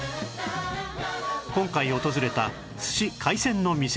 今回訪れた寿司海鮮の店